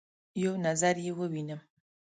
یو نظر يې ووینم